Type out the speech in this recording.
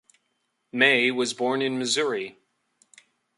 May was born in Missouri.